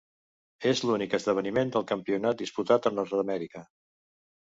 És l'únic esdeveniment del campionat disputat a Nord-amèrica.